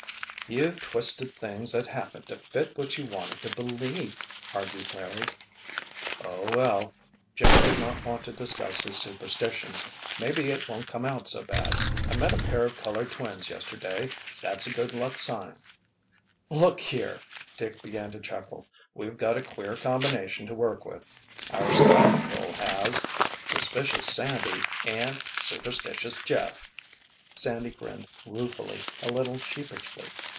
"You've twisted things that happened to fit what you wanted to believe," argued Larry. "Oh, well," Jeff did not want to discuss his superstitions, "maybe it won't come out so bad. I met a pair of colored twins yesterday. That's a good luck sign——" "Look here!" Dick began to chuckle. "We've got a queer combination to work with—our Sky Patrol has! Suspicious Sandy—and—Superstitious Jeff!" Sandy grinned ruefully, a little sheepishly.